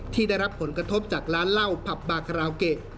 ที่ได้รับผลกระทบจากร้านเหล้าผับบาคาราโอเกะ